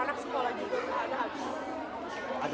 anak sekolah juga ada habis